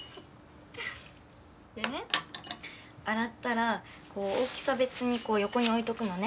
でね洗ったらこう大きさ別にこう横に置いとくのね。